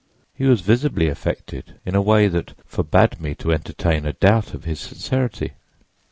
He was visibly affected in a way that forbade me to entertain a doubt of his sincerity.